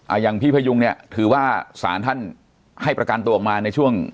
อย่างพี่พยุงเนี่ยถือว่าสารท่านให้ประกันตัวออกมาในช่วง